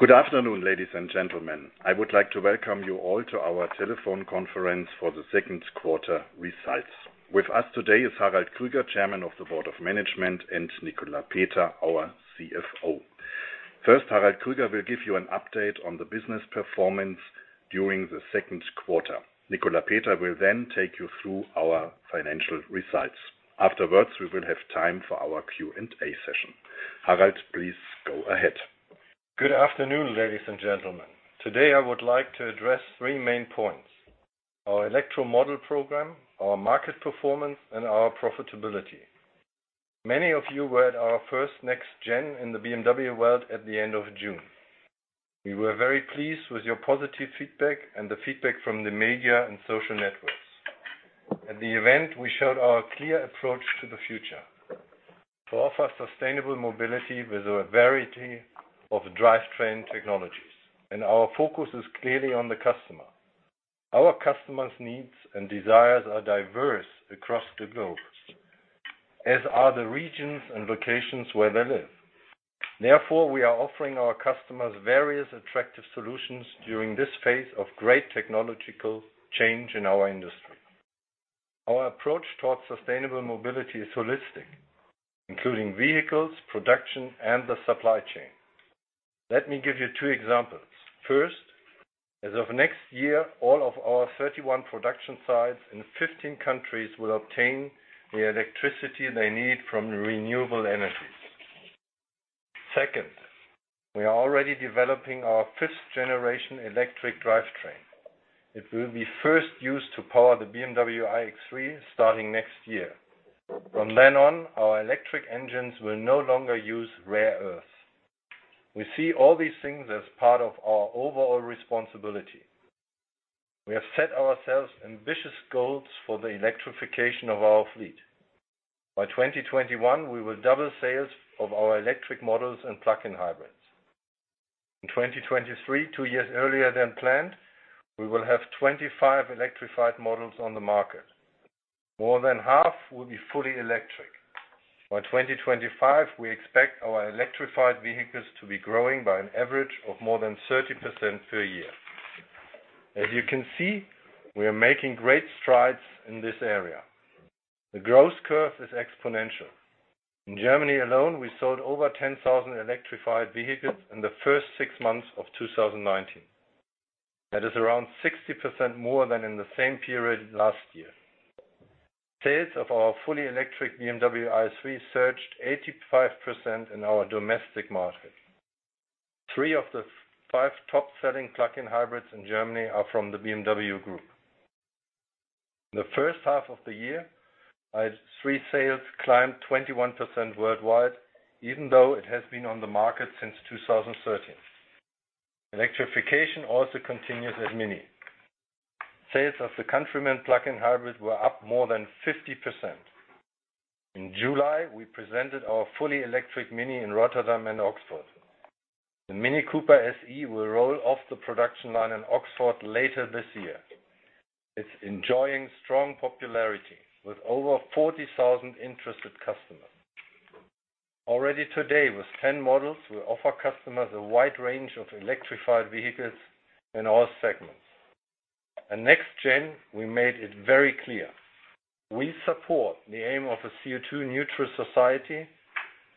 Good afternoon, ladies and gentlemen. I would like to welcome you all to our telephone conference for the second quarter results. With us today is Harald Krüger, Chairman of the Board of Management, and Nicolas Peter, our CFO. First, Harald Krüger will give you an update on the business performance during the second quarter. Nicolas Peter will then take you through our financial results. Afterwards, we will have time for our Q&A session. Harald, please go ahead. Good afternoon, ladies and gentlemen. Today, I would like to address three main points: our electro model program, our market performance, and our profitability. Many of you were at our first #NEXTGen in the BMW Welt at the end of June. We were very pleased with your positive feedback and the feedback from the media and social networks. At the event, we showed our clear approach to the future to offer sustainable mobility with a variety of drivetrain technologies, and our focus is clearly on the customer. Our customer's needs and desires are diverse across the globe, as are the regions and locations where they live. Therefore, we are offering our customers various attractive solutions during this phase of great technological change in our industry. Our approach towards sustainable mobility is holistic, including vehicles, production, and the supply chain. Let me give you two examples. First, as of next year, all of our 31 production sites in 15 countries will obtain the electricity they need from renewable energies. Second, we are already developing our fifth-generation electric drivetrain. It will be first used to power the BMW iX3 starting next year. From then on, our electric engines will no longer use rare earths. We see all these things as part of our overall responsibility. We have set ourselves ambitious goals for the electrification of our fleet. By 2021, we will double sales of our electric models and plug-in hybrids. In 2023, two years earlier than planned, we will have 25 electrified models on the market. More than half will be fully electric. By 2025, we expect our electrified vehicles to be growing by an average of more than 30% per year. As you can see, we are making great strides in this area. The growth curve is exponential. In Germany alone, we sold over 10,000 electrified vehicles in the first six months of 2019. That is around 60% more than in the same period last year. Sales of our fully electric BMW i3 surged 85% in our domestic market. Three of the five top-selling plug-in hybrids in Germany are from the BMW Group. In the first half of the year, i3 sales climbed 21% worldwide, even though it has been on the market since 2013. Electrification also continues at MINI. Sales of the Countryman plug-in hybrid were up more than 50%. In July, we presented our fully electric MINI in Rotterdam and Oxford. The MINI Cooper SE will roll off the production line in Oxford later this year. It's enjoying strong popularity with over 40,000 interested customers. Already today, with 10 models, we offer customers a wide range of electrified vehicles in all segments. At #NEXTGen, we made it very clear. We support the aim of a CO2-neutral society,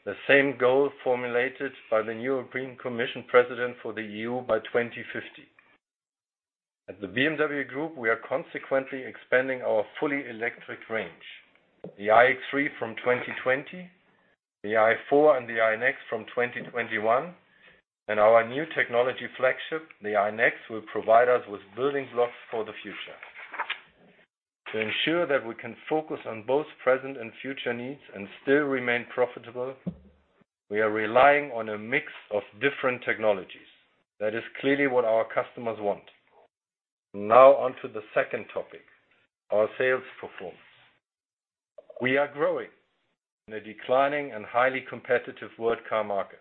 the same goal formulated by the new European Commission president for the EU by 2050. At the BMW Group, we are consequently expanding our fully electric range. The i3 from 2020, the i4 and the iNext from 2021, and our new technology flagship, the iNext, will provide us with building blocks for the future. To ensure that we can focus on both present and future needs and still remain profitable, we are relying on a mix of different technologies. That is clearly what our customers want. Now on to the second topic, our sales performance. We are growing in a declining and highly competitive world car market.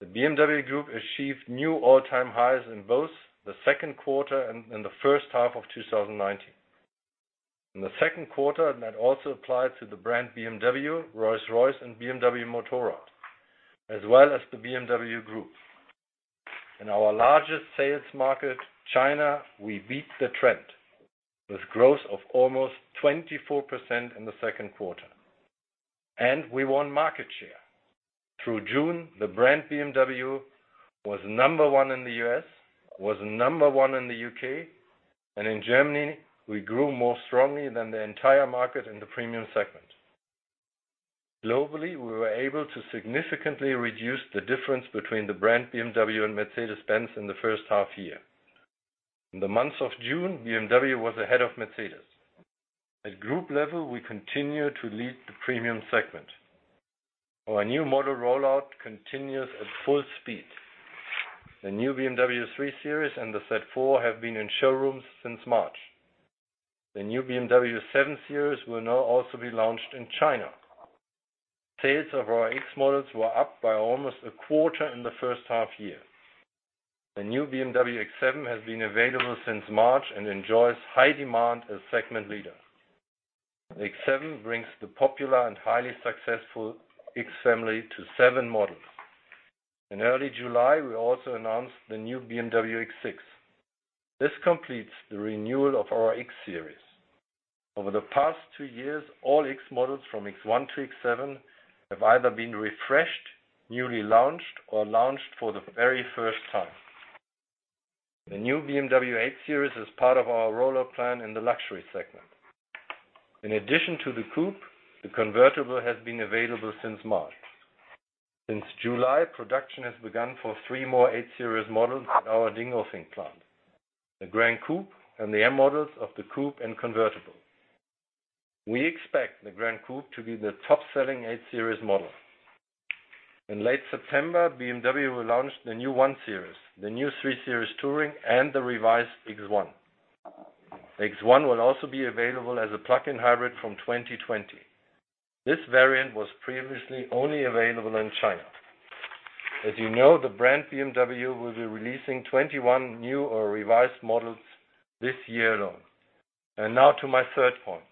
The BMW Group achieved new all-time highs in both the second quarter and in the first half of 2019. In the second quarter, that also applied to the brand BMW, Rolls-Royce, and BMW Motorrad, as well as the BMW Group. In our largest sales market, China, we beat the trend with growth of almost 24% in the second quarter, and we won market share. Through June, the brand BMW was number one in the U.S., was number one in the U.K., and in Germany, we grew more strongly than the entire market in the premium segment. Globally, we were able to significantly reduce the difference between the brand BMW and Mercedes-Benz in the first half year. In the months of June, BMW was ahead of Mercedes. At group level, we continue to lead the premium segment. Our new model rollout continues at full speed. The new BMW 3 Series and the BMW Z4 have been in showrooms since March. The new BMW 7 Series will now also be launched in China. Sales of our X models were up by almost a quarter in the first half year. The new BMW X7 has been available since March and enjoys high demand as segment leader. The X7 brings the popular and highly successful X family to seven models. In early July, we also announced the new BMW X6. This completes the renewal of our X series. Over the past two years, all X models from X1 to X7 have either been refreshed, newly launched, or launched for the very first time. The new BMW 8 Series is part of our rollout plan in the luxury segment. In addition to the coupe, the convertible has been available since March. Since July, production has begun for three more 8 Series models at our Dingolfing plant, the Gran Coupé and the M models of the coupe and convertible. We expect the Gran Coupé to be the top-selling 8 Series model. In late September, BMW will launch the new 1 Series, the new 3 Series Touring, and the revised X1. X1 will also be available as a plug-in hybrid from 2020. This variant was previously only available in China. As you know, the brand BMW will be releasing 21 new or revised models this year alone. Now to my third point,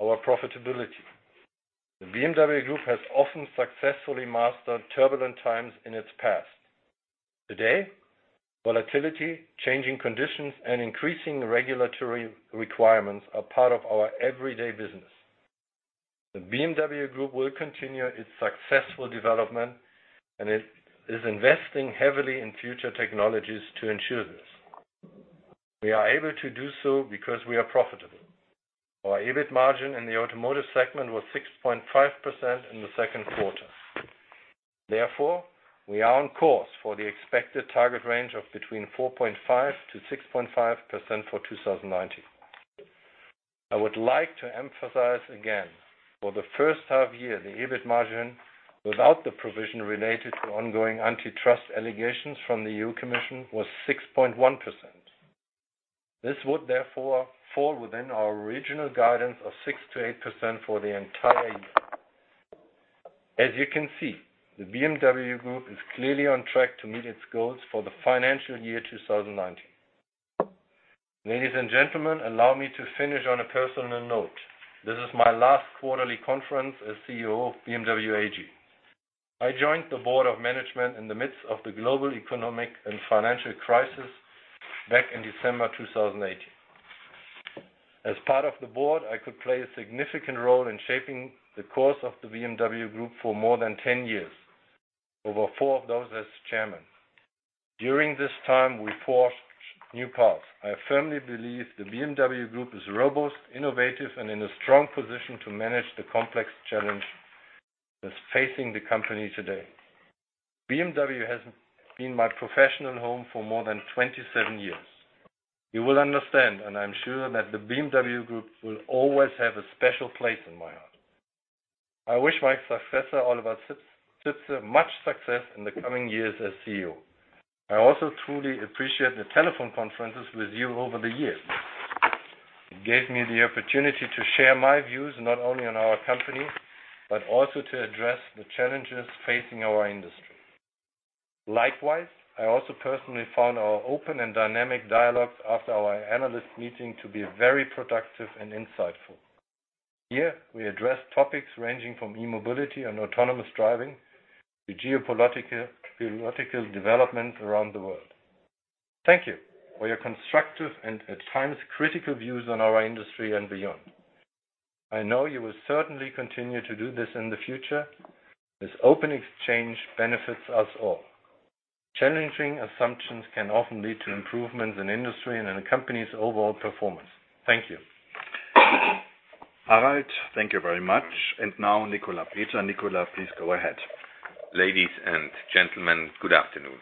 our profitability. The BMW Group has often successfully mastered turbulent times in its past. Today, volatility, changing conditions, and increasing regulatory requirements are part of our everyday business. The BMW Group will continue its successful development, and it is investing heavily in future technologies to ensure this. We are able to do so because we are profitable. Our EBIT margin in the automotive segment was 6.5% in the second quarter. We are on course for the expected target range of between 4.5%-6.5% for 2019. I would like to emphasize again, for the first half year, the EBIT margin without the provision related to ongoing antitrust allegations from the European Commission was 6.1%. This would fall within our original guidance of 6%-8% for the entire year. As you can see, the BMW Group is clearly on track to meet its goals for the financial year 2019. Ladies and gentlemen, allow me to finish on a personal note. This is my last quarterly conference as CEO of BMW AG. I joined the board of management in the midst of the global economic and financial crisis back in December 2018. As part of the board, I could play a significant role in shaping the course of the BMW Group for more than 10 years, over four of those as chairman. During this time, we forged new paths. I firmly believe the BMW Group is robust, innovative, and in a strong position to manage the complex challenge that's facing the company today. BMW has been my professional home for more than 27 years. You will understand, and I'm sure that the BMW Group will always have a special place in my heart. I wish my successor, Oliver Zipse, much success in the coming years as CEO. I also truly appreciate the telephone conferences with you over the years. It gave me the opportunity to share my views not only on our company, but also to address the challenges facing our industry. Likewise, I also personally found our open and dynamic dialogues after our analyst meeting to be very productive and insightful. Here, we addressed topics ranging from e-mobility and autonomous driving to geopolitical developments around the world. Thank you for your constructive and, at times, critical views on our industry and beyond. I know you will certainly continue to do this in the future. This open exchange benefits us all. Challenging assumptions can often lead to improvements in industry and a company's overall performance. Thank you. Harald, thank you very much. Now, Nicolas Peter. Nicolas, please go ahead. Ladies and gentlemen, good afternoon.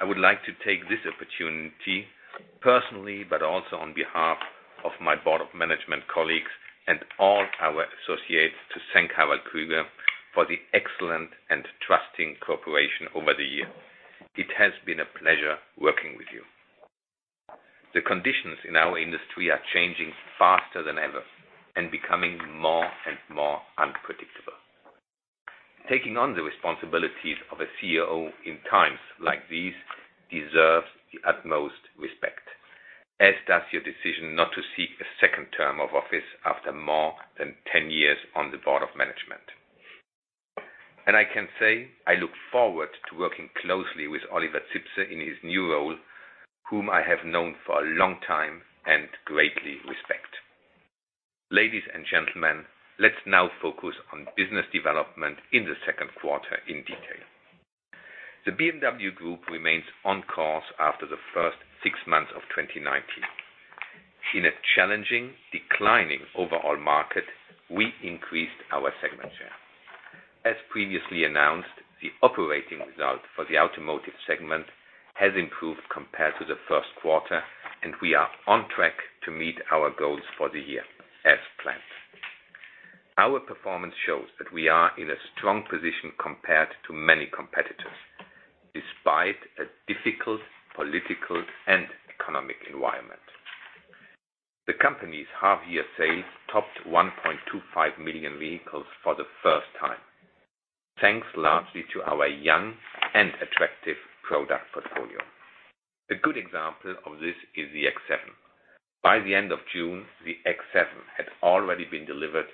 I would like to take this opportunity personally, but also on behalf of my board of management colleagues and all our associates to thank Harald Krüger for the excellent and trusting cooperation over the years. It has been a pleasure working with you. The conditions in our industry are changing faster than ever and becoming more and more unpredictable. Taking on the responsibilities of a CEO in times like these deserves the utmost respect, as does your decision not to seek a second term of office after more than 10 years on the board of management. I can say I look forward to working closely with Oliver Zipse in his new role, whom I have known for a long time and greatly respect. Ladies and gentlemen, let's now focus on business development in the second quarter in detail. The BMW Group remains on course after the first six months of 2019. In a challenging, declining overall market, we increased our segment share. As previously announced, the operating result for the automotive segment has improved compared to the first quarter, and we are on track to meet our goals for the year as planned. Our performance shows that we are in a strong position compared to many competitors, despite a difficult political and economic environment. The company's half-year sales topped 1.25 million vehicles for the first time, thanks largely to our young and attractive product portfolio. A good example of this is the X7. By the end of June, the X7 had already been delivered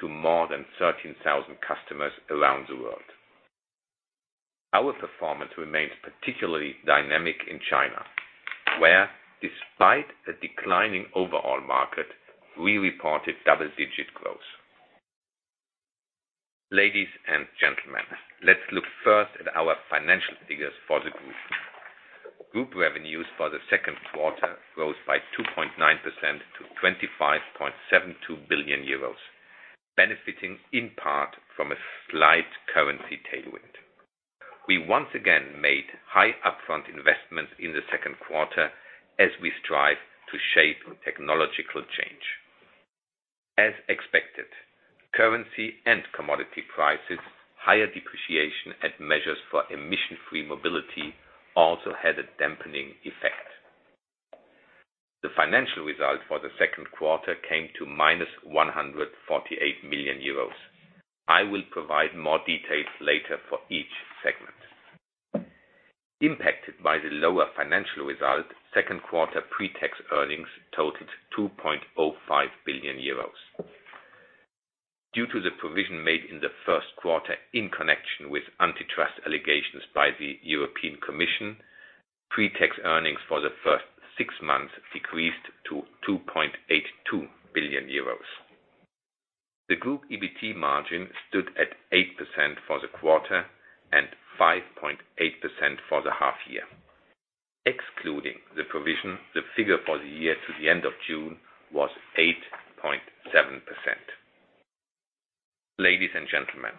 to more than 13,000 customers around the world. Our performance remains particularly dynamic in China, where despite a declining overall market, we reported double-digit growth. Ladies and gentlemen, let's look first at our financial figures for the group. Group revenues for the second quarter rose by 2.9% to 25.72 billion euros, benefiting in part from a slight currency tailwind. We once again made high upfront investments in the second quarter as we strive to shape technological change. As expected, currency and commodity prices, higher depreciation, and measures for emission-free mobility also had a dampening effect. The financial result for the second quarter came to minus 148 million euros. I will provide more details later for each segment. Impacted by the lower financial result, second-quarter pre-tax earnings totaled 2.05 billion euros. Due to the provision made in the first quarter in connection with antitrust allegations by the European Commission, pre-tax earnings for the first six months decreased to 2.82 billion euros. The group EBT margin stood at 8% for the quarter and 5.8% for the half year. Excluding the provision, the figure for the year to the end of June was 8.7%. Ladies and gentlemen,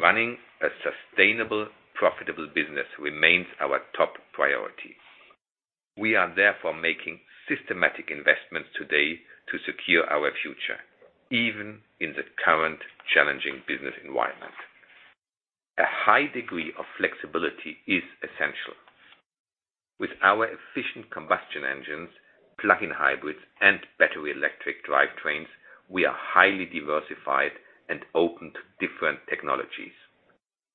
running a sustainable, profitable business remains our top priority. We are therefore making systematic investments today to secure our future, even in the current challenging business environment. A high degree of flexibility is essential. With our efficient combustion engines, plug-in hybrids, and battery-electric drivetrains, we are highly diversified and open to different technologies.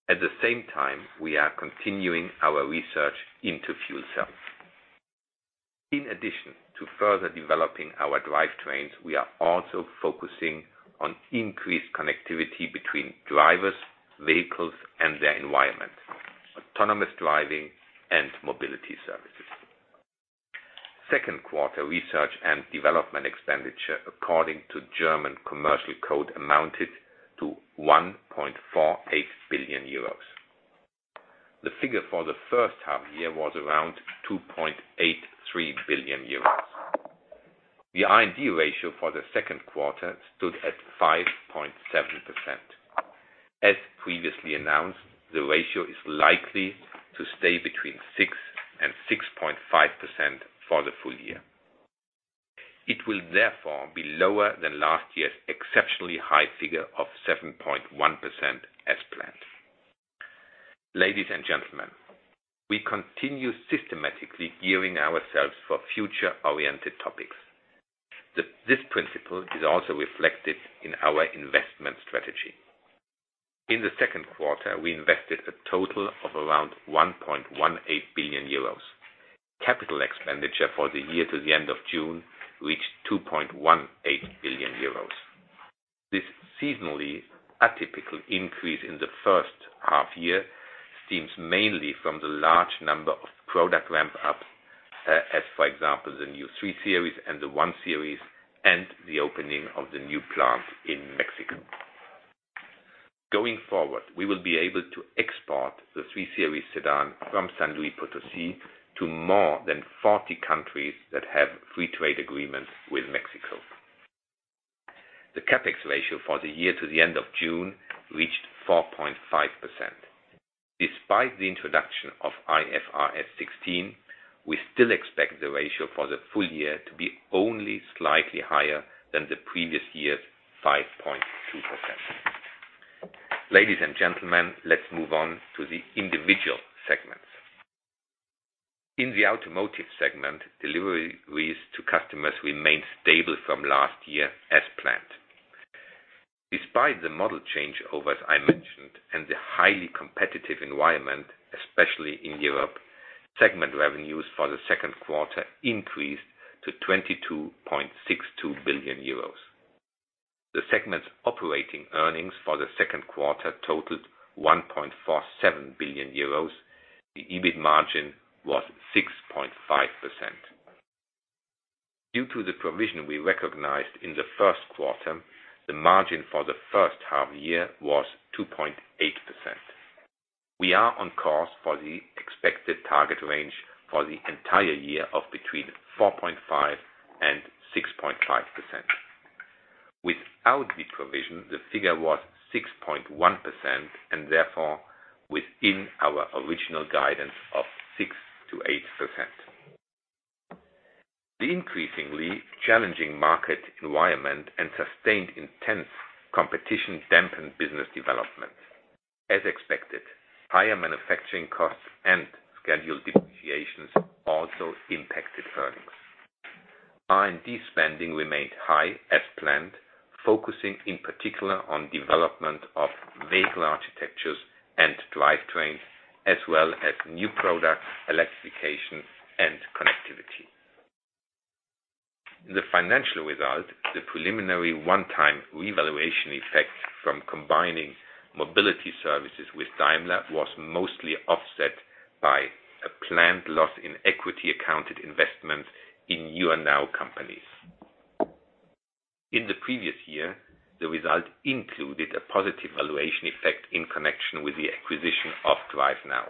At the same time, we are continuing our research into fuel cells. In addition to further developing our drivetrains, we are also focusing on increased connectivity between drivers, vehicles, and their environment, autonomous driving and mobility services. Second-quarter research and development expenditure according to German Commercial Code amounted to 1.48 billion euros. The figure for the first half year was around 2.83 billion euros. The R&D ratio for the second quarter stood at 5.7%. As previously announced, the ratio is likely to stay between 6% and 6.5% for the full year. It will therefore be lower than last year's exceptionally high figure of 7.1%, as planned. Ladies and gentlemen, we continue systematically gearing ourselves for future-oriented topics. This principle is also reflected in our investment strategy. In the second quarter, we invested a total of around 1.18 billion euros. Capital expenditure for the year to the end of June reached 2.18 billion euros. This seasonally atypical increase in the first half year stems mainly from the large number of product ramp-ups, as for example, the new 3 Series and the 1 Series, and the opening of the new plant in Mexico. Going forward, we will be able to export the 3 Series sedan from San Luis Potosí to more than 40 countries that have free trade agreements with Mexico. The CapEx ratio for the year to the end of June reached 4.5%. Despite the introduction of IFRS 16, we still expect the ratio for the full year to be only slightly higher than the previous year's 5.2%. Ladies and gentlemen, let's move on to the individual segments. In the automotive segment, deliveries to customers remained stable from last year as planned. Despite the model changeovers I mentioned and the highly competitive environment, especially in Europe, segment revenues for the second quarter increased to 22.62 billion euros. The segment's operating earnings for the second quarter totaled 1.47 billion euros. The EBIT margin was 6.5%. Due to the provision we recognized in the first quarter, the margin for the first half year was 2.8%. We are on course for the expected target range for the entire year of between 4.5% and 6.5%. Without the provision, the figure was 6.1% and therefore within our original guidance of 6%-8%. The increasingly challenging market environment and sustained intense competition dampened business development. As expected, higher manufacturing costs and scheduled depreciations also impacted earnings. R&D spending remained high as planned, focusing in particular on development of vehicle architectures and drivetrain, as well as new products, electrification, and connectivity. In the financial result, the preliminary one-time revaluation effect from combining mobility services with Daimler was mostly offset by a planned loss in equity accounted investments in YOUR NOW companies. In the previous year, the result included a positive valuation effect in connection with the acquisition of DriveNow.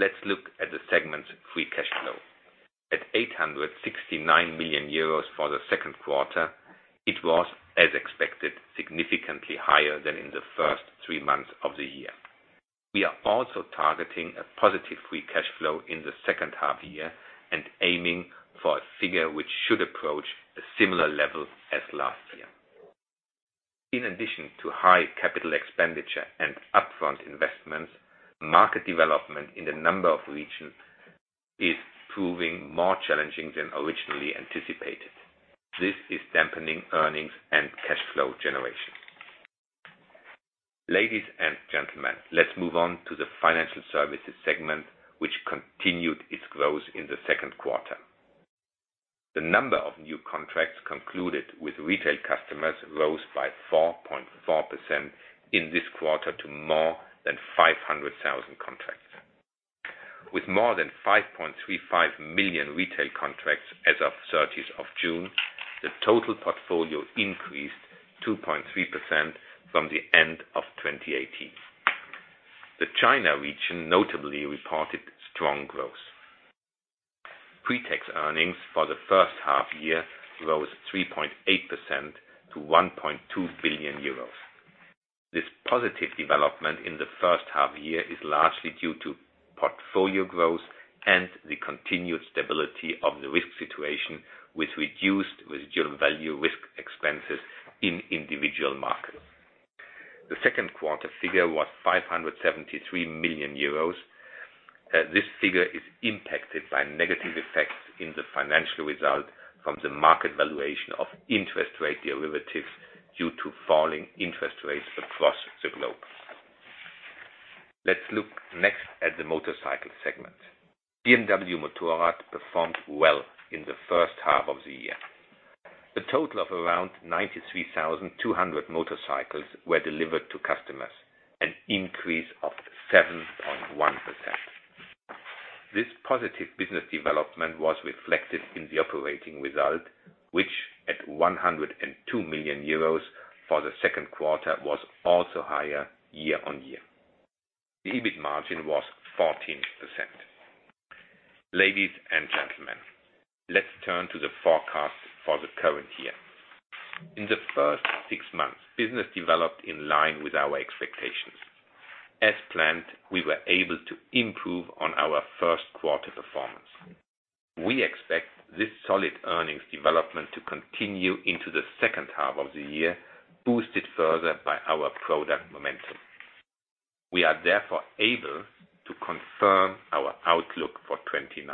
Let's look at the segment's free cash flow. At 869 million euros for the second quarter, it was, as expected, significantly higher than in the first three months of the year. We are also targeting a positive free cash flow in the second half year and aiming for a figure which should approach a similar level as last year. In addition to high capital expenditure and upfront investments, market development in a number of regions is proving more challenging than originally anticipated. This is dampening earnings and cash flow generation. Ladies and gentlemen, let's move on to the financial services segment, which continued its growth in the second quarter. The number of new contracts concluded with retail customers rose by 4.4% in this quarter to more than 500,000 contracts. With more than 5.35 million retail contracts as of 30th of June, the total portfolio increased 2.3% from the end of 2018. The China region notably reported strong growth. Pretax earnings for the first half year rose 3.8% to 1.2 billion euros. This positive development in the first half year is largely due to portfolio growth and the continued stability of the risk situation, with reduced residual value risk expenses in individual markets. The second quarter figure was 573 million euros. This figure is impacted by negative effects in the financial result from the market valuation of interest rate derivatives due to falling interest rates across the globe. Let's look next at the motorcycle segment. BMW Motorrad performed well in the first half of the year. A total of around 93,200 motorcycles were delivered to customers, an increase of 7.1%. This positive business development was reflected in the operating result, which at 102 million euros for the second quarter, was also higher year on year. The EBIT margin was 14%. Ladies and gentlemen, let's turn to the forecast for the current year. In the first six months, business developed in line with our expectations. As planned, we were able to improve on our first quarter performance. We expect this solid earnings development to continue into the second half of the year, boosted further by our product momentum. We are therefore able to confirm our outlook for 2019.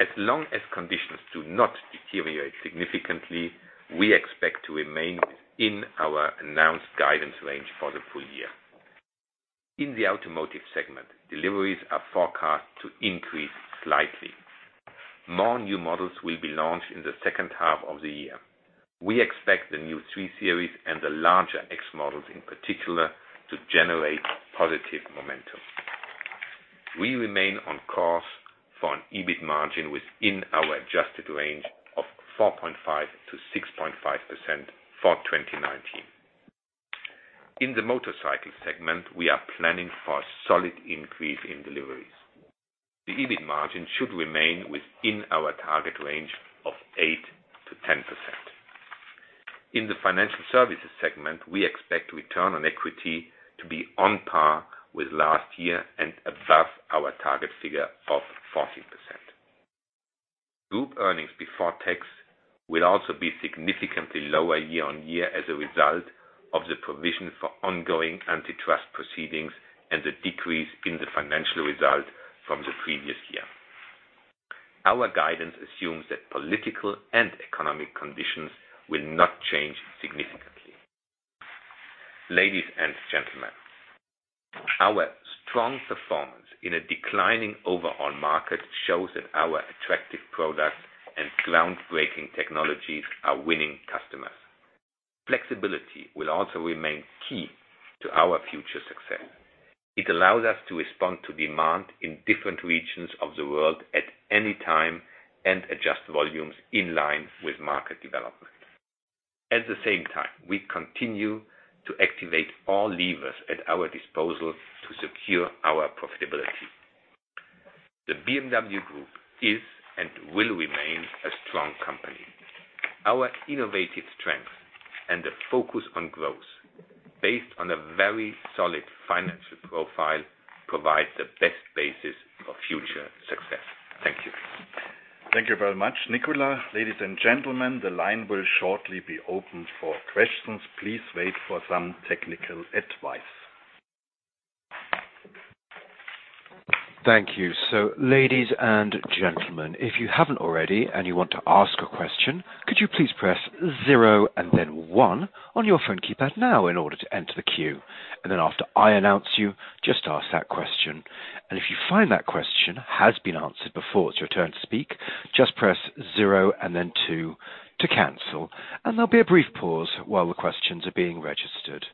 As long as conditions do not deteriorate significantly, we expect to remain in our announced guidance range for the full year. In the automotive segment, deliveries are forecast to increase slightly. More new models will be launched in the second half of the year. We expect the new 3 Series and the larger X models, in particular, to generate positive momentum. We remain on course for an EBIT margin within our adjusted range of 4.5%-6.5% for 2019. In the motorcycle segment, we are planning for a solid increase in deliveries. The EBIT margin should remain within our target range of 8%-10%. In the financial services segment, we expect return on equity to be on par with last year and above our target figure of 14%. Group earnings before tax will also be significantly lower year-on-year as a result of the provision for ongoing antitrust proceedings and the decrease in the financial result from the previous year. Our guidance assumes that political and economic conditions will not change significantly. Ladies and gentlemen, our strong performance in a declining overall market shows that our attractive products and groundbreaking technologies are winning customers. Flexibility will also remain key to our future success. It allows us to respond to demand in different regions of the world at any time and adjust volumes in line with market development. At the same time, we continue to activate all levers at our disposal to secure our profitability. The BMW Group is and will remain a strong company. Our innovative strength and the focus on growth based on a very solid financial profile provide the best basis for future success. Thank you Thank you very much, Nicolas. Ladies and gentlemen, the line will shortly be open for questions. Please wait for some technical advice. Thank you. Ladies and gentlemen, if you haven't already and you want to ask a question, could you please press zero and then one on your phone keypad now in order to enter the queue? After I announce you, just ask that question. If you find that question has been answered before it's your turn to speak, just press zero and then two to cancel. There'll be a brief pause while the questions are being registered.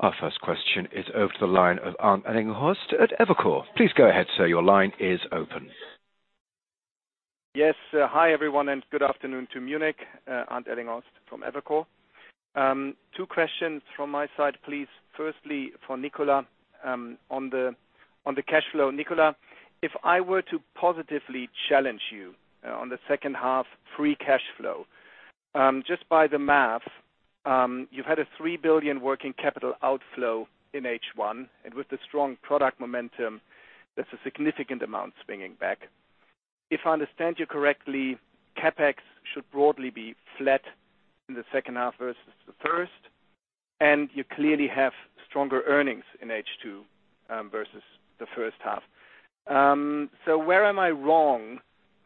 Our first question is over the line of Arndt Ellinghorst at Evercore. Please go ahead, sir. Your line is open. Yes. Hi, everyone, and good afternoon to Munich. Arndt Ellinghorst from Evercore. Two questions from my side, please. Firstly, for Nicolas, on the cash flow. Nicolas, if I were to positively challenge you on the second half free cash flow, just by the math, you've had a $3 billion working capital outflow in H1, and with the strong product momentum, that's a significant amount swinging back. If I understand you correctly, CapEx should broadly be flat in the second half versus the first, and you clearly have stronger earnings in H2, versus the first half. Where am I wrong,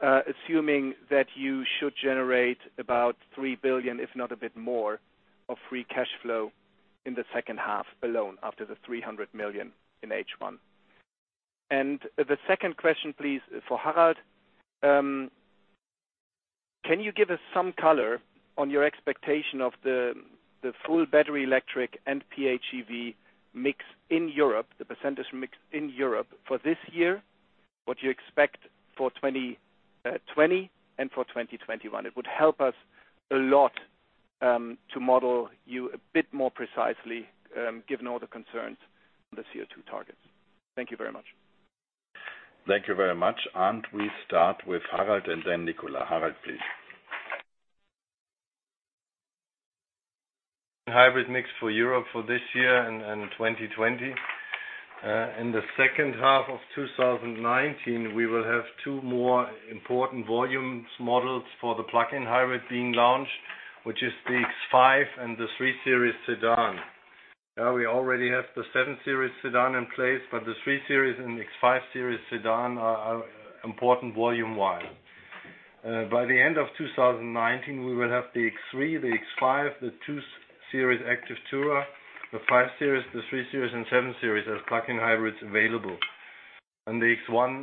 assuming that you should generate about $3 billion, if not a bit more of free cash flow in the second half alone after the $300 million in H1? The second question, please, for Harald. Can you give us some color on your expectation of the full battery electric and PHEV mix in Europe, the % mix in Europe for this year, what you expect for 2020 and for 2021? It would help us a lot to model you a bit more precisely, given all the concerns on the CO2 targets. Thank you very much. Thank you very much, Arndt. We start with Harald and then Nicolas. Harald, please. Hybrid mix for Europe for this year and 2020. In the second half of 2019, we will have two more important volume models for the plug-in hybrid being launched, which is the X5 and the 3 Series Sedan. We already have the 7 Series Sedan in place, but the 3 Series and X5 are important volume-wise. By the end of 2019, we will have the X3, the X5, the 2 Series Active Tourer, the 5 Series, the 3 Series, and 7 Series as plug-in hybrids available. The X1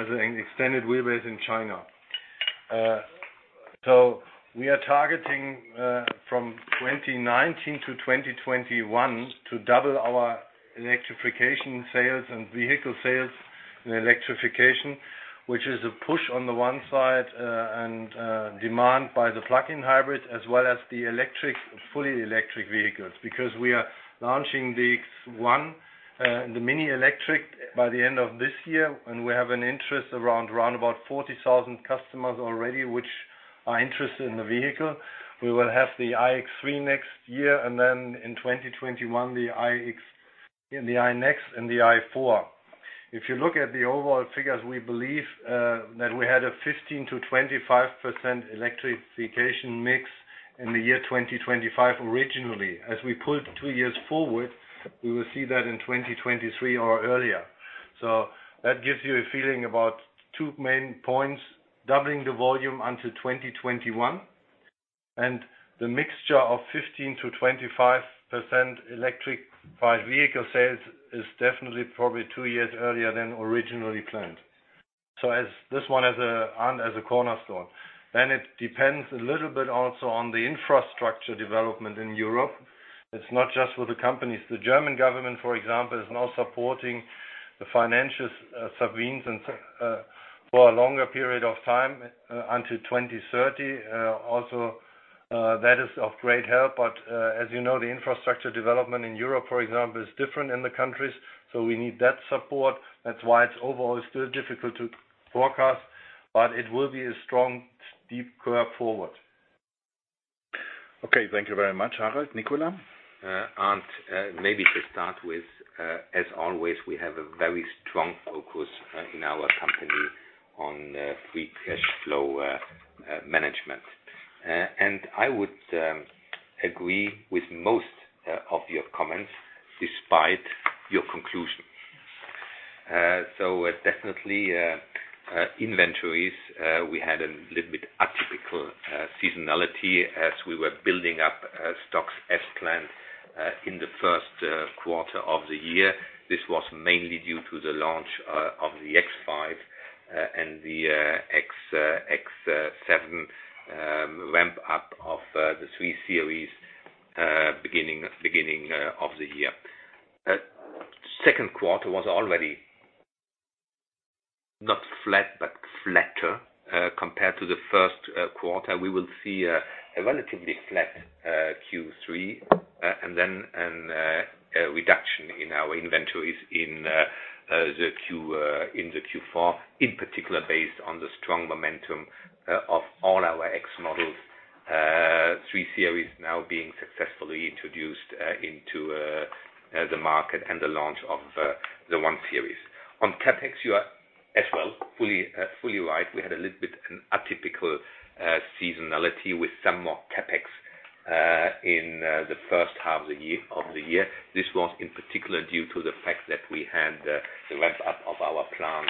as an extended wheelbase in China. We are targeting from 2019 to 2021 to double our electrification sales and vehicle sales in electrification, which is a push on the one side, and demand by the plug-in hybrid as well as the fully electric vehicles. We are launching the X1, the MINI Electric by the end of this year, and we have an interest around about 40,000 customers already which are interested in the vehicle. We will have the iX3 next year, then in 2021, the iNEXT and the i4. If you look at the overall figures, we believe that we had a 15%-25% electrification mix in the year 2025 originally. As we pulled two years forward, we will see that in 2023 or earlier. That gives you a feeling about two main points, doubling the volume until 2021. The mixture of 15%-25% electrified vehicle sales is definitely probably two years earlier than originally planned. This one as a cornerstone. It depends a little bit also on the infrastructure development in Europe. It's not just for the companies. The German government, for example, is now supporting the financial subsidies for a longer period of time, until 2030. That is of great help. As you know, the infrastructure development in Europe, for example, is different in the countries. We need that support. That's why it's overall still difficult to forecast, but it will be a strong, deep curve forward. Okay. Thank you very much, Harald. Nicolas. Arndt, maybe to start with, as always, we have a very strong focus in our company on free cash flow management. I would agree with most of your comments despite your conclusion. Definitely, inventories, we had a little bit atypical seasonality as we were building up stocks as planned in the first quarter of the year. This was mainly due to the launch of the X5 and the X7 ramp-up of the 3 Series, beginning of the year. Second quarter was already not flat, but flatter compared to the first quarter. We will see a relatively flat Q3, then a reduction in our inventories in the Q4, in particular, based on the strong momentum of all our X models, 3 Series now being successfully introduced into the market and the launch of the 1 Series. On CapEx, you are, as well, fully right. We had a little bit an atypical seasonality with some more CapEx in the first half of the year. This was in particular due to the fact that we had the ramp-up of our plant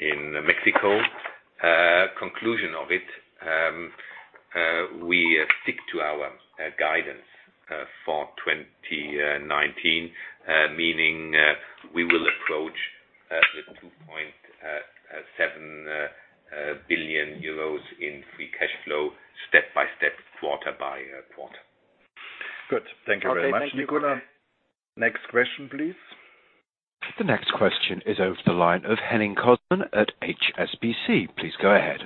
in Mexico. Conclusion of it, we stick to our guidance for 2019, meaning we will approach the 2.7 billion euros in free cash flow step by step, quarter by quarter. Good. Thank you very much, Nicolas. Next question, please. The next question is over the line of Henning Cosman at HSBC. Please go ahead.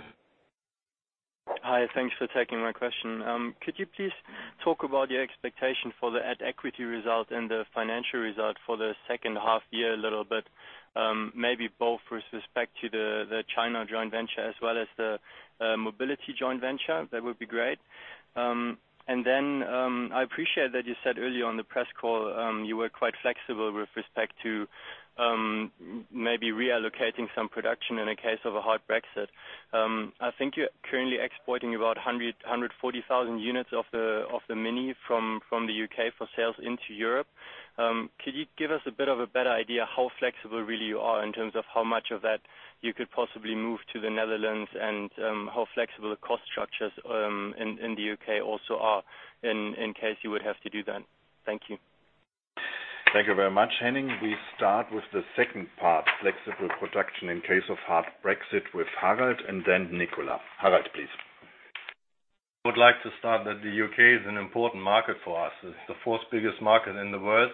Hi. Thanks for taking my question. Could you please talk about your expectation for the at-equity result and the financial result for the second half year a little bit, maybe both with respect to the China joint venture as well as the mobility joint venture? That would be great. I appreciate that you said earlier on the press call, you were quite flexible with respect to maybe reallocating some production in a case of a hard Brexit. I think you're currently exporting about 140,000 units of the MINI from the U.K. for sales into Europe. Could you give us a bit of a better idea how flexible really you are in terms of how much of that you could possibly move to the Netherlands, and how flexible the cost structures in the U.K. also are in case you would have to do that? Thank you. Thank you very much, Henning. We start with the second part, flexible production in case of hard Brexit, with Harald, and then Nicolas. Harald, please. I would like to start that the U.K. is an important market for us. It's the fourth biggest market in the world.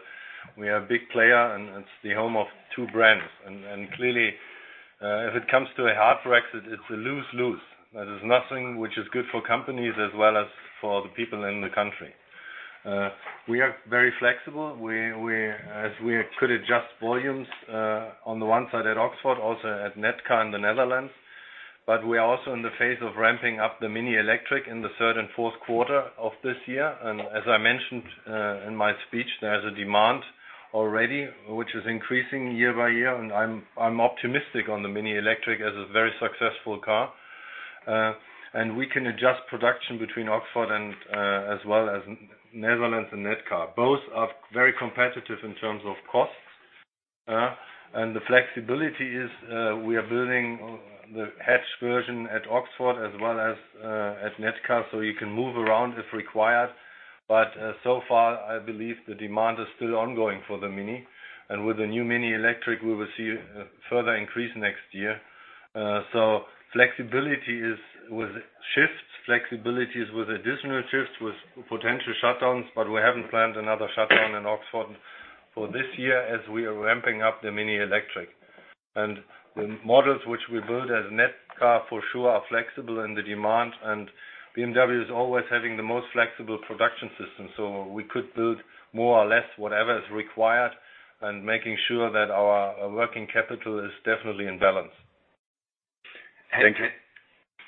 We are a big player, and it's the home of two brands. Clearly, if it comes to a hard Brexit, it's a lose-lose. There is nothing which is good for companies as well as for the people in the country. We are very flexible. We could adjust volumes, on the one side at Oxford, also at Nedcar in the Netherlands. We are also in the phase of ramping up the MINI Electric in the third and fourth quarter of this year. As I mentioned in my speech, there's a demand already, which is increasing year by year, and I'm optimistic on the MINI Electric as a very successful car. We can adjust production between Oxford, as well as Netherlands and Nedcar. Both are very competitive in terms of costs. The flexibility is, we are building the hatch version at Oxford as well as at Nedcar, so you can move around if required. So far, I believe the demand is still ongoing for the MINI. With the new MINI Electric, we will see a further increase next year. Flexibility is with shifts, flexibility is with additional shifts, with potential shutdowns, but we haven't planned another shutdown in Oxford for this year as we are ramping up the MINI Electric. The models which we build at Nedcar for sure are flexible in the demand, and BMW is always having the most flexible production system, so we could build more or less whatever is required and making sure that our working capital is definitely in balance.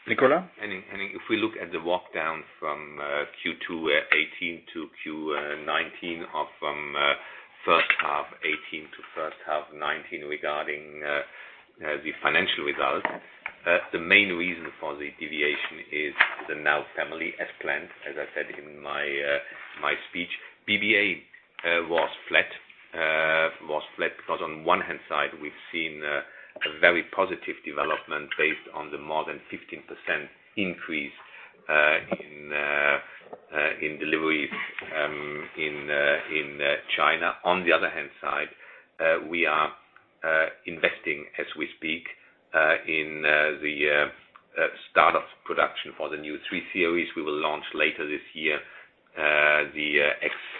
Nicola? Henning, if we look at the walk-down from Q2 2018 to Q1 2019 or from first half 2018 to first half 2019 regarding the financial results, the main reason for the deviation is the NOW family, as planned, as I said in my speech. BBA was flat. On one hand side, we've seen a very positive development based on the more than 15% increase in deliveries in China. On the other hand side, we are investing as we speak, in the startup production for the new 3 Series we will launch later this year, the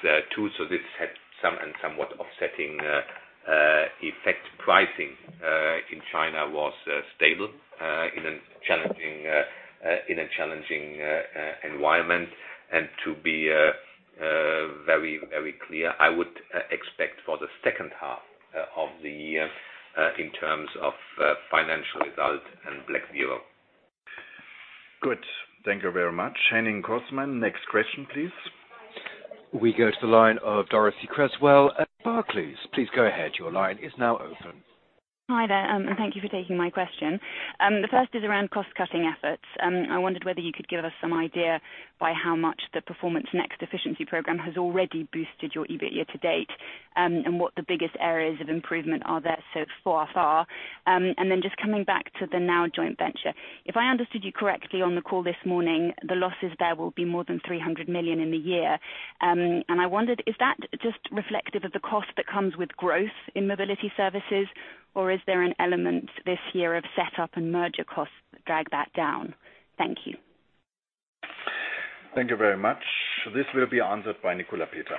X2. This had some and somewhat offsetting effect. Pricing in China was stable in a challenging environment, and to be very clear, I would expect for the second half of the year in terms of financial result and black zero. Good. Thank you very much, Henning Cosman. Next question, please. We go to the line of Dorothee Cresswell at Barclays. Please go ahead. Your line is now open. Hi there. Thank you for taking my question. The first is around cost-cutting efforts. I wondered whether you could give us some idea by how much the Performance > NEXT efficiency program has already boosted your EBIT year to date, and what the biggest areas of improvement are there so far. Just coming back to the YOUR NOW joint venture. If I understood you correctly on the call this morning, the losses there will be more than 300 million in the year. I wondered, is that just reflective of the cost that comes with growth in mobility services, or is there an element this year of set up and merger costs that drag that down? Thank you. Thank you very much. This will be answered by Nicolas Peter.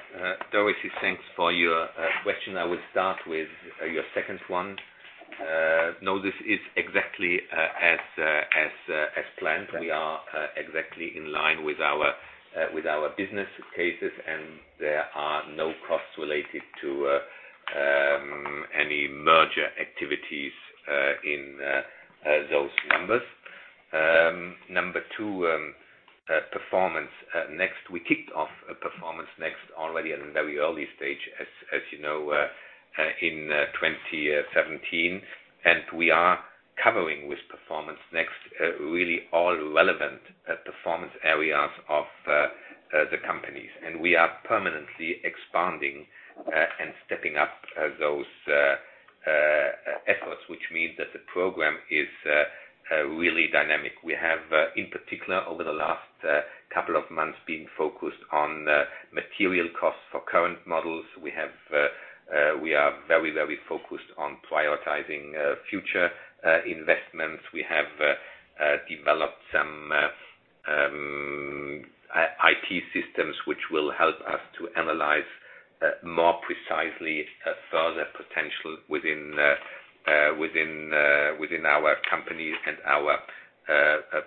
Dorothee, thanks for your question. I will start with your second one. No, this is exactly as planned. We are exactly in line with our business cases, and there are no costs related to any merger activities in those numbers. Number 2, Performance > NEXT. We kicked off Performance > NEXT already at a very early stage as you know, in 2017. We are covering with Performance > NEXT really all relevant performance areas of the companies. We are permanently expanding and stepping up those efforts, which means that the program is really dynamic. We have, in particular, over the last couple of months, been focused on material costs for current models. We are very focused on prioritizing future investments. We have developed some IT systems which will help us to analyze more precisely further potential within our companies and our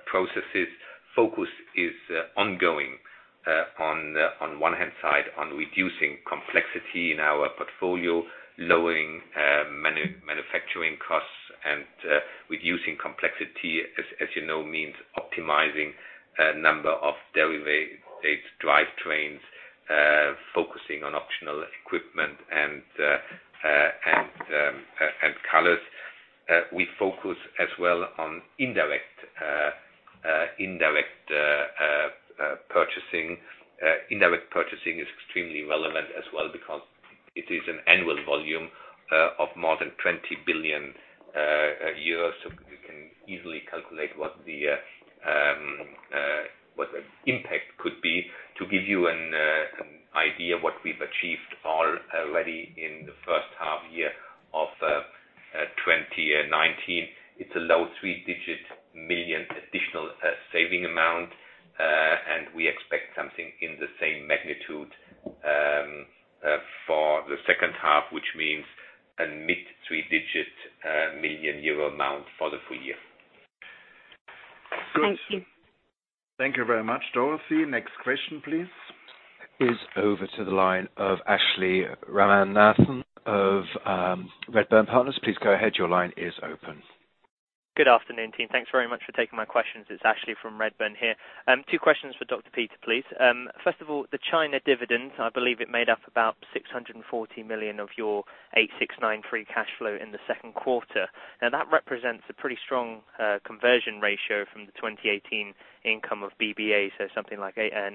processes. Focus is ongoing, on one hand side, on reducing complexity in our portfolio, lowering manufacturing costs, and reducing complexity, as you know, means optimizing number of derivative drivetrains, focusing on optional equipment and colors. We focus as well on indirect purchasing. Indirect purchasing is extremely relevant as well because it is an annual volume of more than 20 billion euros a year, so we can easily calculate what the impact could be. To give you an idea what we've achieved already in the first half year of 2019, it's a low three-digit million EUR additional saving amount, and we expect something in the same magnitude for the second half, which means a mid three-digit million EUR amount for the full year. Thank you. Thank you very much, Dorothee. Next question, please. Is over to the line of Ashik Ramanathan of Redburn Partners. Please go ahead. Your line is open. Good afternoon, team. Thanks very much for taking my questions. It's Ashik from Redburn here. Two questions for Dr. Peter, please. First of all, the China dividend, I believe it made up about 640 million of your 869 free cash flow in the second quarter. That represents a pretty strong conversion ratio from the 2018 income of BBA, so something like 90%.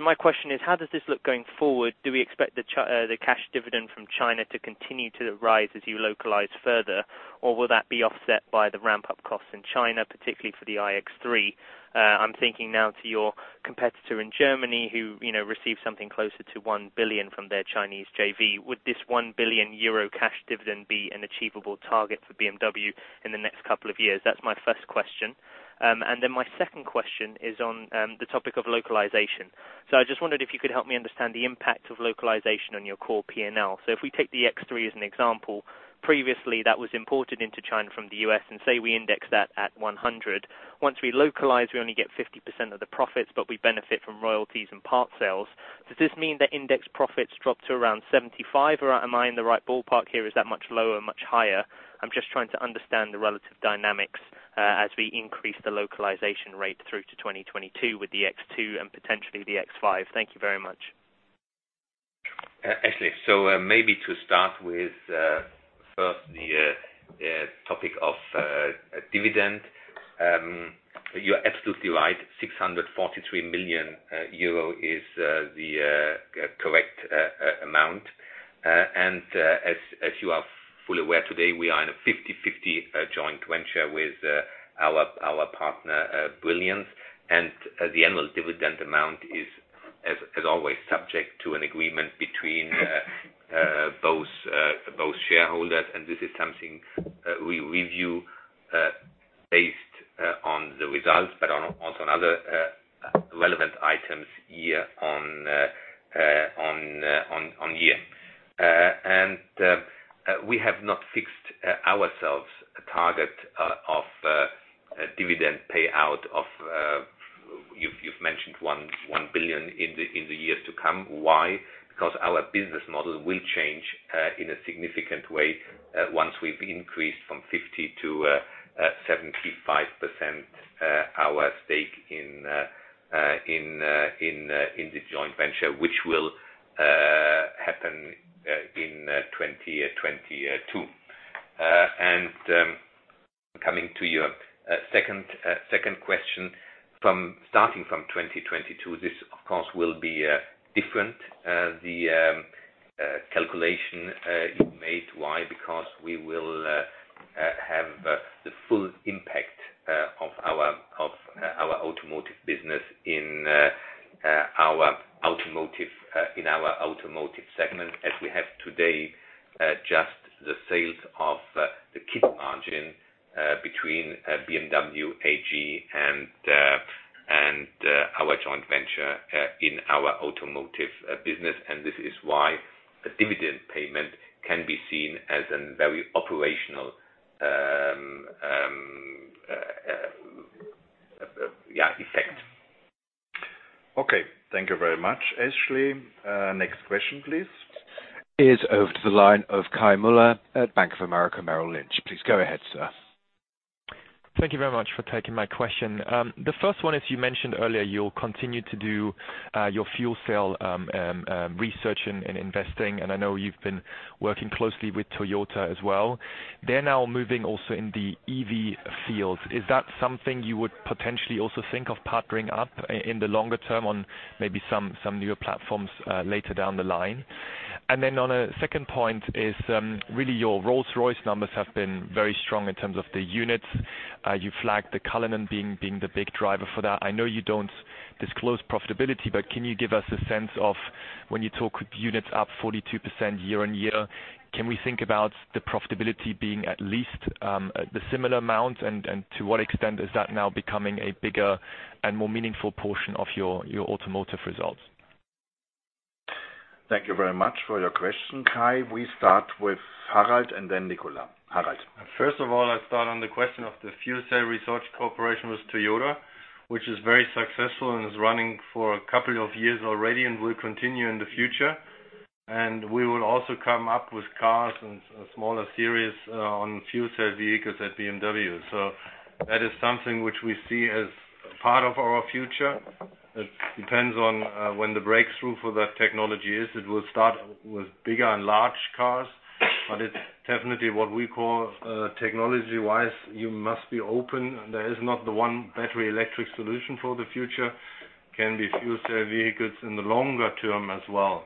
My question is, how does this look going forward? Do we expect the cash dividend from China to continue to rise as you localize further? Will that be offset by the ramp-up costs in China, particularly for the BMW iX3? I'm thinking now to your competitor in Germany who received something closer to 1 billion from their Chinese JV. Would this 1 billion euro cash dividend be an achievable target for BMW in the next couple of years? That's my first question. My second question is on the topic of localization. I just wondered if you could help me understand the impact of localization on your core P&L. If we take the X3 as an example, previously that was imported into China from the U.S., and say we index that at 100. Once we localize, we only get 50% of the profits, but we benefit from royalties and part sales. Does this mean that index profits drop to around 75? Am I in the right ballpark here? Is that much lower, much higher? I am just trying to understand the relative dynamics as we increase the localization rate through to 2022 with the X2 and potentially the X5. Thank you very much. Ashik, maybe to start with first the topic of dividend. You're absolutely right, 643 million euro is the correct amount. As you are fully aware today, we are in a 50/50 joint venture with our partner, Brilliance. The annual dividend amount is as always subject to an agreement between both shareholders. This is something we review based on the results, but on also another relevant items year on year. We have not fixed ourselves a target of dividend payout of, you've mentioned 1 billion in the years to come. Why? Because our business model will change in a significant way once we've increased from 50% to 75% our stake in the joint venture, which will happen in 2022. Coming to your second question, starting from 2022, this of course will be different, the calculation you made. Why? We will have the full impact of our automotive business in our automotive segment as we have today just the sales of the CKD margin between BMW AG and our joint venture in our automotive business. This is why a dividend payment can be seen as a very operational. Okay. Thank you very much, Ashik. Next question, please. Is over to the line of Kai Mueller at Bank of America Merrill Lynch. Please go ahead, sir. Thank you very much for taking my question. The first one, as you mentioned earlier, you'll continue to do your fuel cell research and investing. I know you've been working closely with Toyota as well. They're now moving also in the EV field. Is that something you would potentially also think of partnering up in the longer term on maybe some newer platforms later down the line? On a second point is, really your Rolls-Royce numbers have been very strong in terms of the units. You flagged the Cullinan being the big driver for that. I know you don't disclose profitability, can you give us a sense of when you talk with units up 42% year-over-year, can we think about the profitability being at least the similar amount? To what extent is that now becoming a bigger and more meaningful portion of your automotive results? Thank you very much for your question, Kai. We start with Harald and then Nicolas. Harald. First of all, I start on the question of the fuel cell research cooperation with Toyota, which is very successful and is running for a couple of years already and will continue in the future. We will also come up with cars and a smaller series on fuel cell vehicles at BMW. That is something which we see as part of our future. It depends on when the breakthrough for that technology is. It will start with bigger and large cars, but it's definitely what we call technology-wise, you must be open. There is not the one battery electric solution for the future, can be fuel cell vehicles in the longer term as well.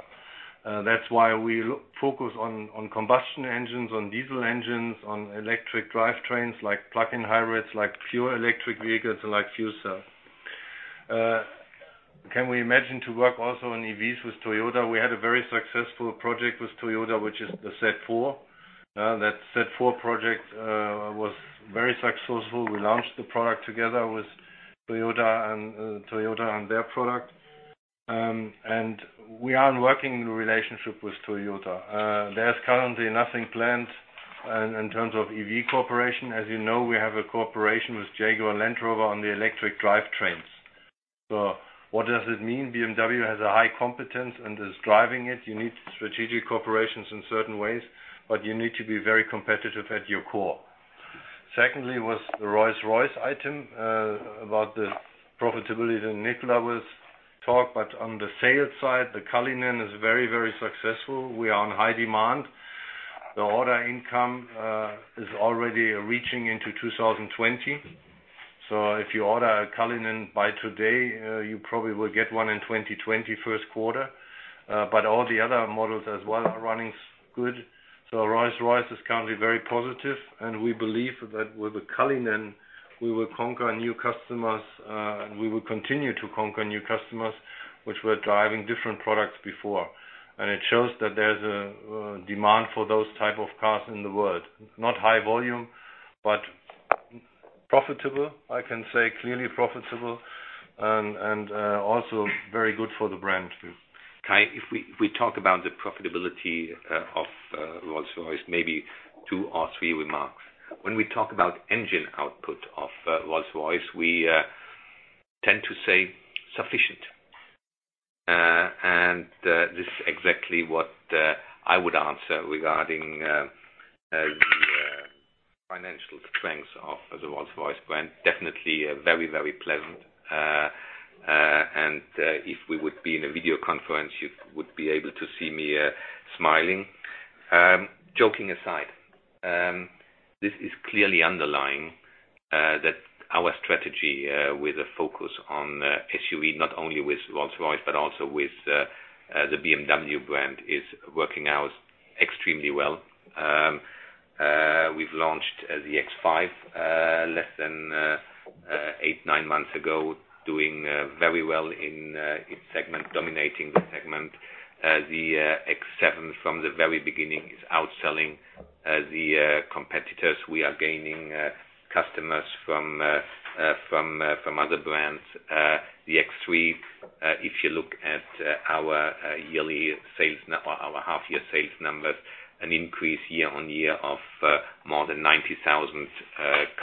That's why we focus on combustion engines, on diesel engines, on electric drivetrains, like plug-in hybrids, like pure electric vehicles, and like fuel cells. Can we imagine to work also on EVs with Toyota? We had a very successful project with Toyota, which is the Z4. That Z4 project was very successful. We launched the product together with Toyota and their product. We are in working relationship with Toyota. There's currently nothing planned in terms of EV cooperation. As you know, we have a cooperation with Jaguar Land Rover on the electric drivetrains. What does it mean? BMW has a high competence and is driving it. You need strategic cooperations in certain ways, but you need to be very competitive at your core. Secondly, was the Rolls-Royce item, about the profitability that Nicolas will talk, but on the sales side, the Cullinan is very successful. We are on high demand. The order income is already reaching into 2020. If you order a Cullinan by today, you probably will get one in 2020 first quarter. All the other models as well are running good. Rolls-Royce is currently very positive, and we believe that with the Cullinan, we will conquer new customers, and we will continue to conquer new customers, which were driving different products before. It shows that there's a demand for those type of cars in the world. Not high volume, but profitable, I can say, clearly profitable, and also very good for the brand. Kai, if we talk about the profitability of Rolls-Royce, maybe two or three remarks. When we talk about engine output of Rolls-Royce, we tend to say sufficient. This is exactly what I would answer regarding the financial strength of the Rolls-Royce brand. Definitely very pleasant. If we would be in a video conference, you would be able to see me smiling. Joking aside, this is clearly underlying that our strategy, with a focus on SUV, not only with Rolls-Royce, but also with the BMW brand, is working out extremely well. We've launched the X5, less than eight, nine months ago, doing very well in its segment, dominating the segment. The X7 from the very beginning is outselling the competitors. We are gaining customers from other brands. The X3, if you look at our half-year sales numbers, an increase year on year of more than 90,000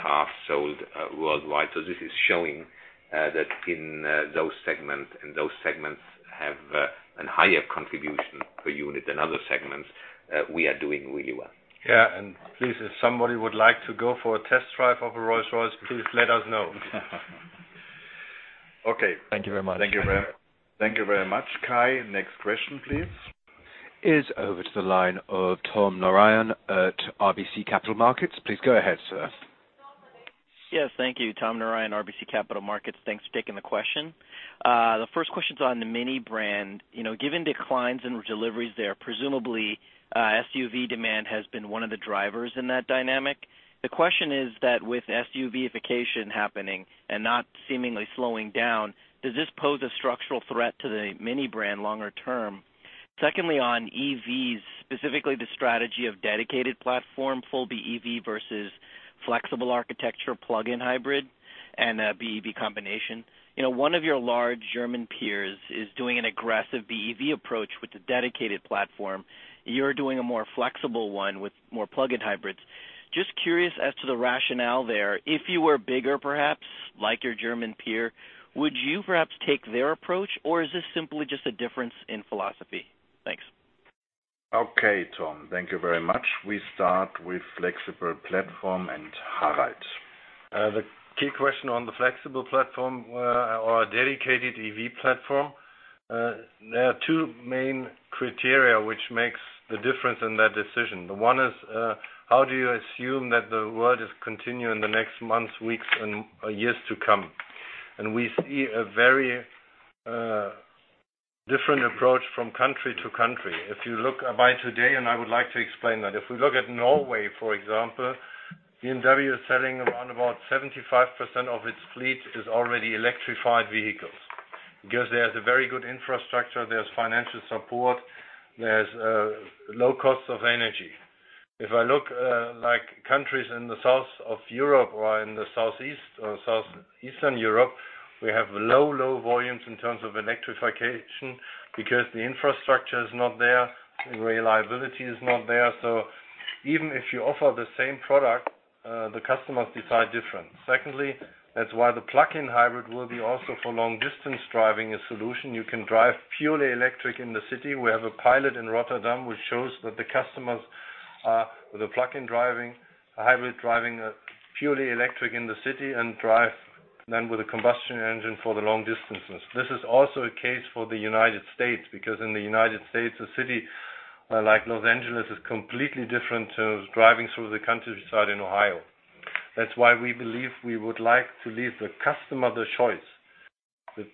cars sold worldwide. This is showing that in those segments, and those segments have a higher contribution per unit than other segments, we are doing really well. Yeah. Please, if somebody would like to go for a test drive of a Rolls-Royce, please let us know. Okay. Thank you very much. Thank you very much, Kai. Next question, please. Over to the line of Tom Narayan at RBC Capital Markets. Please go ahead, sir. Yes, thank you. Tom Narayan, RBC Capital Markets, thanks for taking the question. The first question's on the MINI brand. Given declines in deliveries there, presumably, SUV demand has been one of the drivers in that dynamic. The question is that with SUV-ification happening and not seemingly slowing down, does this pose a structural threat to the MINI brand longer term? Secondly, on EVs, specifically the strategy of dedicated platform, full BEV versus flexible architecture, plug-in hybrid, and a BEV combination. One of your large German peers is doing an aggressive BEV approach with a dedicated platform. You're doing a more flexible one with more plug-in hybrids. Just curious as to the rationale there. If you were bigger, perhaps, like your German peer, would you perhaps take their approach, or is this simply just a difference in philosophy? Thanks. Okay, Tom, thank you very much. We start with flexible platform and Harald. The key question on the flexible platform or dedicated EV platform, there are two main criteria which makes the difference in that decision. One is, how do you assume that the world is continuing the next months, weeks, and years to come? We see a very different approach from country to country. If you look by today, and I would like to explain that. If we look at Norway, for example, BMW is selling around about 75% of its fleet is already electrified vehicles because there's a very good infrastructure, there's financial support, there's low cost of energy. If I look like countries in the south of Europe or in the southeastern Europe, we have low volumes in terms of electrification because the infrastructure is not there, the reliability is not there. Even if you offer the same product, the customers decide different. That's why the plug-in hybrid will be also for long-distance driving, a solution. You can drive purely electric in the city. We have a pilot in Rotterdam, which shows that the customers are, with a plug-in driving, a hybrid driving, are purely electric in the city and drive then with a combustion engine for the long distances. This is also a case for the U.S., because in the U.S., a city like L.A. is completely different to driving through the countryside in Ohio. We believe we would like to leave the customer the choice. The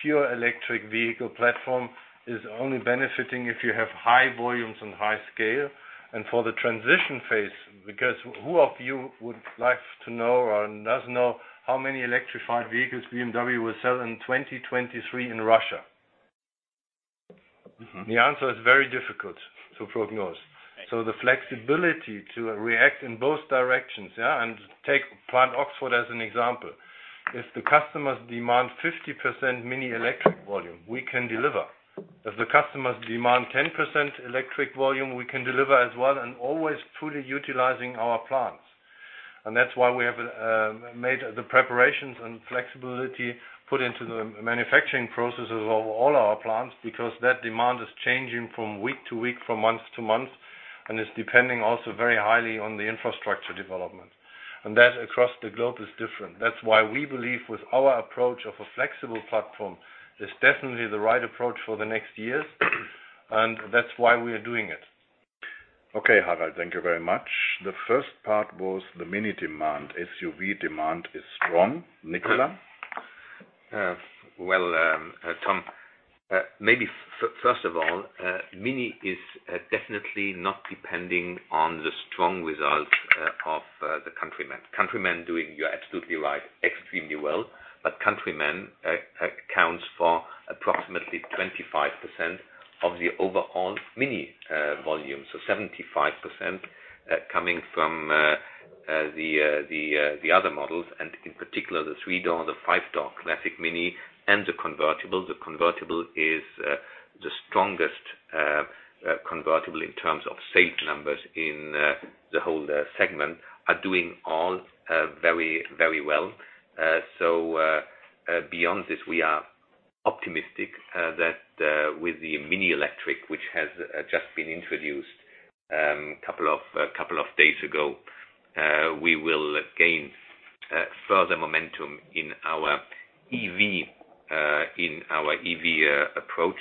pure electric vehicle platform is only benefiting if you have high volumes and high scale. For the transition phase, because who of you would like to know or does know how many electrified vehicles BMW will sell in 2023 in Russia? The answer is very difficult to prognose. The flexibility to react in both directions, yeah, and take Plant Oxford as an example. If the customers demand 50% MINI Electric volume, we can deliver. If the customers demand 10% electric volume, we can deliver as well, always truly utilizing our plants. That's why we have made the preparations and flexibility put into the manufacturing processes of all our plants, because that demand is changing from week to week, from month to month, and it's depending also very highly on the infrastructure development. That across the globe is different. That's why we believe with our approach of a flexible platform is definitely the right approach for the next years, that's why we are doing it. Okay, Harald, thank you very much. The first part was the MINI demand. SUV demand is strong. Nicolas? Well, Tom, maybe first of all, MINI is definitely not depending on the strong result of the Countryman. Countryman doing, you're absolutely right, extremely well. Countryman accounts for approximately 25% of the overall MINI volume. 75% coming from the other models, and in particular, the three-door, the five-door classic MINI, and the convertible. The convertible is the strongest convertible in terms of sales numbers in the whole segment, are doing all very well. Beyond this, we are optimistic that with the MINI Electric, which has just been introduced couple of days ago, we will gain further momentum in our EV approach.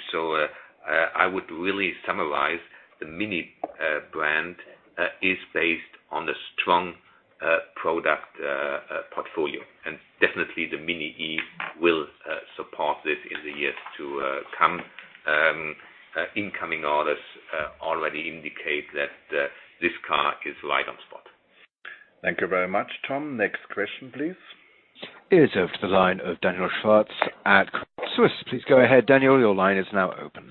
I would really summarize the MINI brand is based on the strong product portfolio, and definitely the MINI Electric will support this in the years to come. Incoming orders already indicate that this car is right on spot. Thank you very much, Tom. Next question, please. It is over to the line of Daniel Schwarz at Credit Suisse. Please go ahead, Daniel. Your line is now open.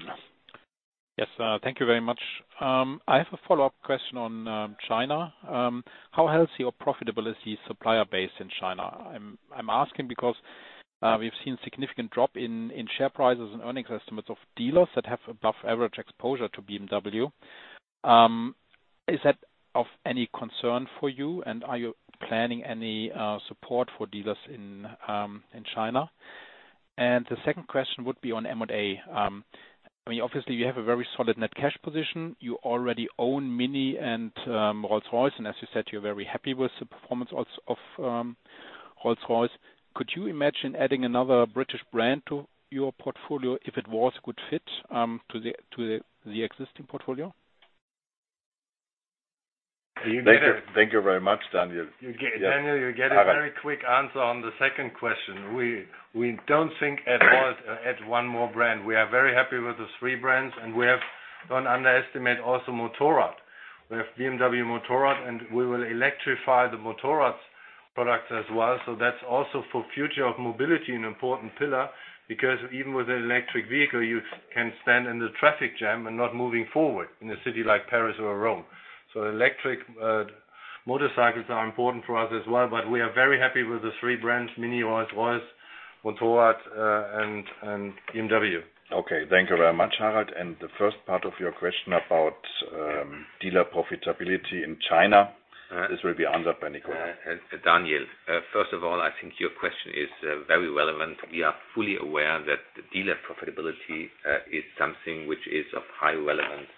Yes, thank you very much. I have a follow-up question on China. How healthy or profitable is the supplier base in China? I'm asking because we've seen significant drop in share prices and earnings estimates of dealers that have above average exposure to BMW. Is that of any concern for you? Are you planning any support for dealers in China? The second question would be on M&A. I mean, obviously, you have a very solid net cash position. You already own MINI and Rolls-Royce, and as you said, you're very happy with the performance of Rolls-Royce. Could you imagine adding another British brand to your portfolio if it was good fit to the existing portfolio? You get a- Thank you very much, Daniel. Yes, Harald. Daniel, you get a very quick answer on the second question. We don't think at all to add one more brand. We are very happy with the three brands. We have don't underestimate also Motorrad. We have BMW Motorrad, and we will electrify the Motorrad's products as well. That's also for future of mobility an important pillar because even with an electric vehicle, you can stand in the traffic jam and not moving forward in a city like Paris or Rome. Electric motorcycles are important for us as well, but we are very happy with the three brands, Mini, Rolls-Royce, Motorrad, and BMW. Okay. Thank you very much, Harald. The first part of your question about dealer profitability in China This will be answered by Nicolas. Daniel, first of all, I think your question is very relevant. We are fully aware that the dealer profitability is something which is of high relevance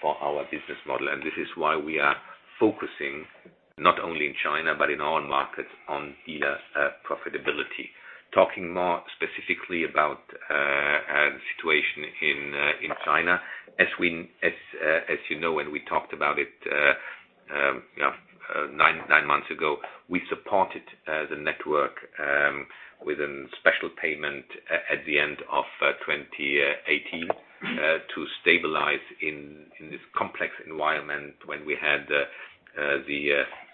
for our business model. This is why we are focusing, not only in China but in all markets, on dealer profitability. Talking more specifically about the situation in China, as you know, when we talked about it nine months ago, we supported the network with a special payment at the end of 2018 to stabilize in this complex environment when we had the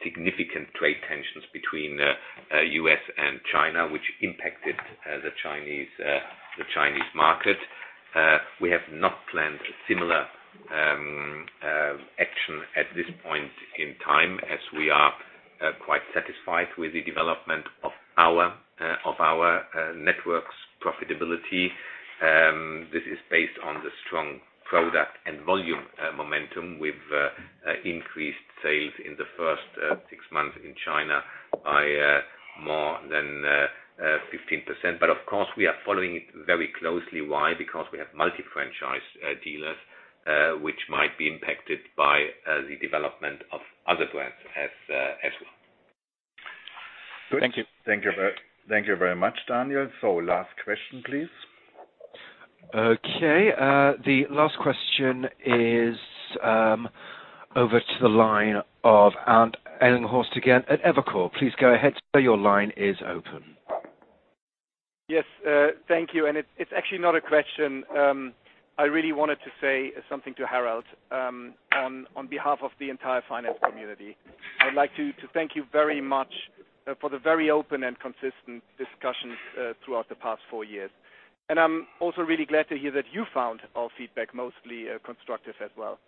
significant trade tensions between the U.S. and China, which impacted the Chinese market. We have not planned a similar action at this point in time, as we are quite satisfied with the development of our network's profitability. This is based on the strong product and volume momentum with increased sales in the first six months in China by more than 15%. Of course, we are following it very closely. Why? Because we have multi-franchise dealers, which might be impacted by the development of other brands as well. Good. Thank you. Thank you very much, Daniel. Last question, please. Okay. The last question is over to the line of Arndt Ellinghorst again at Evercore. Please go ahead. Sir, your line is open. Yes, thank you. It's actually not a question. I really wanted to say something to Harald on behalf of the entire finance community. I'd like to thank you very much for the very open and consistent discussions throughout the past four years. I'm also really glad to hear that you found our feedback mostly constructive as well.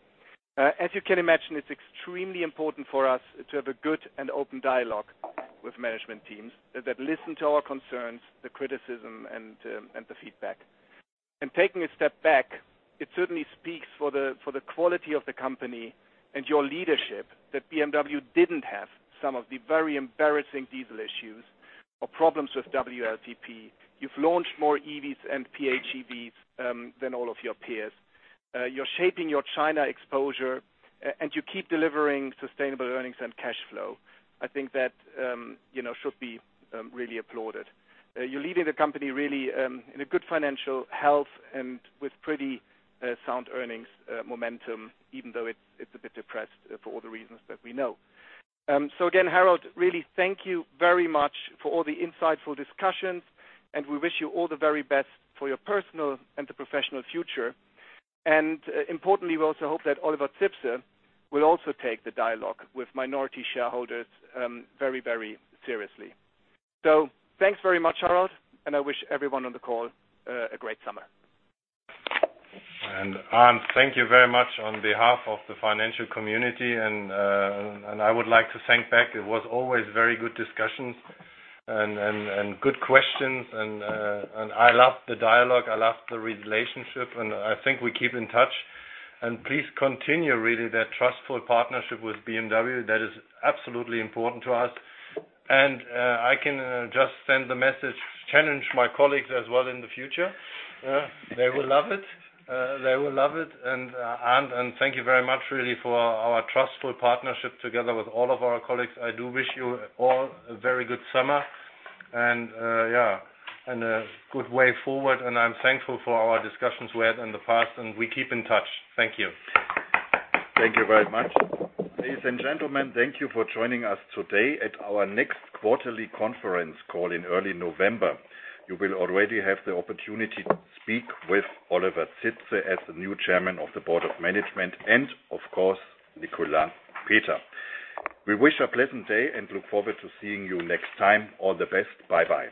As you can imagine, it's extremely important for us to have a good and open dialogue with management teams that listen to our concerns, the criticism, and the feedback. Taking a step back, it certainly speaks for the quality of the company and your leadership that BMW didn't have some of the very embarrassing diesel issues or problems with WLTP. You've launched more EVs and PHEVs than all of your peers. You're shaping your China exposure, and you keep delivering sustainable earnings and cash flow. I think that should be really applauded. You're leading the company really in a good financial health and with pretty sound earnings momentum, even though it's a bit depressed for all the reasons that we know. Again, Harald, really, thank you very much for all the insightful discussions, and we wish you all the very best for your personal and professional future. Importantly, we also hope that Oliver Zipse will also take the dialogue with minority shareholders very seriously. Thanks very much, Harald, and I wish everyone on the call a great summer. Arndt, thank you very much on behalf of the financial community, and I would like to thank back. It was always very good discussions and good questions, and I loved the dialogue. I loved the relationship, and I think we keep in touch. Please continue, really, that trustful partnership with BMW. That is absolutely important to us. I can just send the message, challenge my colleagues as well in the future. They will love it. Arndt, thank you very much really for our trustful partnership together with all of our colleagues. I do wish you all a very good summer and a good way forward. I'm thankful for our discussions we had in the past, and we keep in touch. Thank you. Thank you very much. Ladies and gentlemen, thank you for joining us today at our next quarterly conference call in early November. You will already have the opportunity to speak with Oliver Zipse as the new Chairman of the Board of Management and, of course, Nicolas Peter. We wish a pleasant day and look forward to seeing you next time. All the best. Bye-bye.